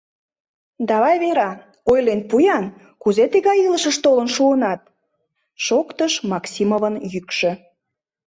— Давай, Вера, ойлен пу-ян, кузе тыгай илышыш толын шуынат? — шоктыш Максимовын йӱкшӧ.